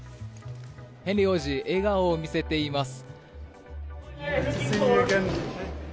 ヘンリー王子笑顔を見せています。